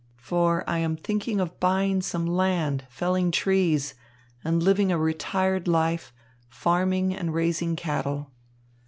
For I am thinking of buying some land, felling trees, and living a retired life, farming and raising cattle.